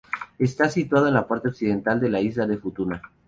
Está situado en la parte occidental de la isla de Futuna.